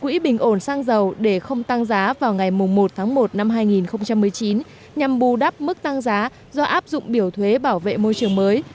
quỹ bình ổn xăng dầu để không tăng giá vào ngày một tháng một năm hai nghìn một mươi chín nhằm bù đắp mức tăng giá do áp dụng biểu thuế bảo vệ môi trường mới